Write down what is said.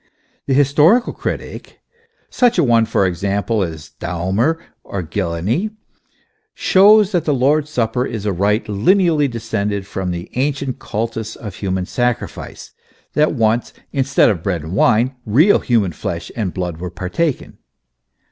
The historical critic such a one, for example, as Daumer or Ghillany shows that the Lord's Supper is a rite lineally descended from the ancient Cultus of human sacrifice ; that once, instead of bread and wine, real human flesh and blood were partaken.